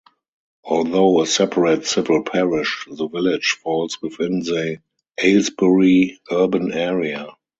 Although a separate civil parish, the village falls within the Aylesbury Urban Area.